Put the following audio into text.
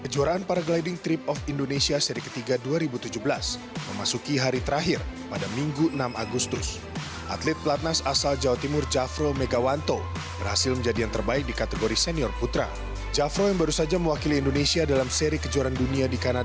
jangan lupa like share dan subscribe channel ini